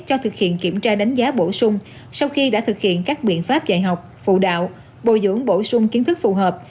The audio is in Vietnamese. cho thực hiện kiểm tra đánh giá bổ sung sau khi đã thực hiện các biện pháp dạy học phụ đạo bồi dưỡng bổ sung kiến thức phù hợp